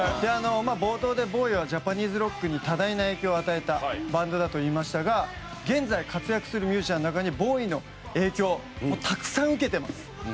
まあ冒頭でＢＯＷＹはジャパニーズロックに多大な影響を与えたバンドだと言いましたが現在活躍するミュージャンの中にＢＯＷＹの影響たくさん受けています。